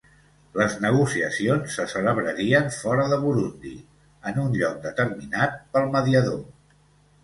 Les negociacions se celebrarien fora de Burundi, en un lloc determinat pel mediador.